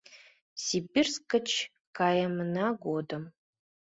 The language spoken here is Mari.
Симбирск гыч кайымына годым.